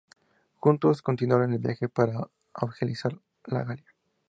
Juntos, continuaron el viaje para evangelizar la Galia.